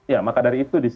ya maka dari itu